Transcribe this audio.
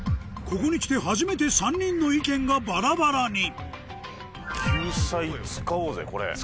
ここに来て初めて３人の意見がバラバラに救済使おうぜこれ。